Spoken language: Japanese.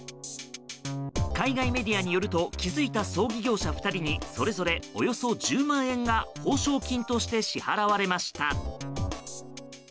海外メディアによると気づいた葬儀業者２人にそれぞれおよそ１０万円が報奨金として支払われました。